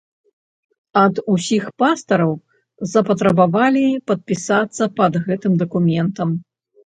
Ад усіх пастараў запатрабавалі падпісацца пад гэтым дакументам.